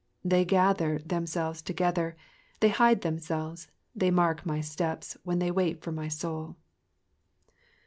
6 They gather themselves together, they hide themselves, they mark my steps, when they wait for my soul.